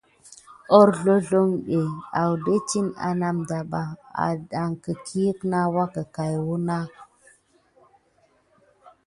Horzlozloŋ adetine anamdaba agate kusan dirick abosuko.